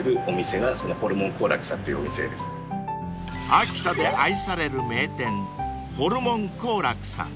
［秋田で愛される名店ホルモン幸楽さん］